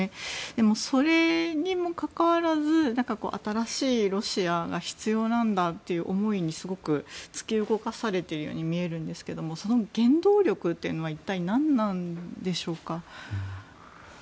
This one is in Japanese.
でも、それにもかかわらず新しいロシアが必要なんだという思いにすごくつき動かされているように見えるんですけどその原動力は一体何なんでしょうか。